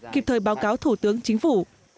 kịp thời báo cáo thủ tướng chính phủ